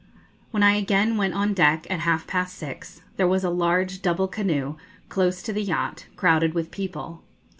When I again went on deck, at half past six, there was a large double canoe close to the yacht, crowded with people.